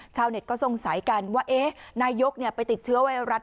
ชาวเน็ตก็สงสัยกันว่านายกไปติดเชื้อไวรัส